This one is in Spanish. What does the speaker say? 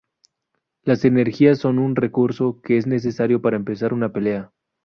Las energías son un recurso que es necesario para empezar una pelea.